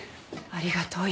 ありがとう。